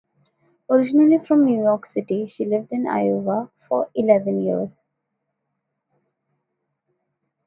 Originally from New York City, she lived in Iowa for eleven years.